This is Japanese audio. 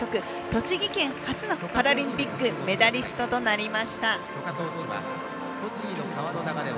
栃木県初のパラリンピックメダリストとなりました。